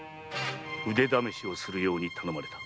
腕試しをするように頼まれた。